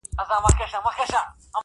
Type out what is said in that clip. هم ښایسته هم په ځان غټ هم زورور دی،